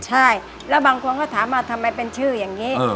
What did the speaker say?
ใช่แล้วบางคนก็ถามว่าทำไมเป็นชื่ออย่างนี้